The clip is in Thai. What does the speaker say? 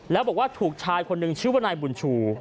แล้วบอกว่าถูกชายคนหนึ่งชื่อว่านายบุญชู